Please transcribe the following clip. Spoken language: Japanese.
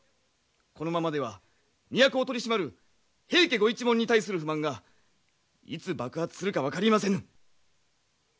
このままでは都を取り締まる平家ご一門に対する不満がいつ爆発するか分かりませぬ。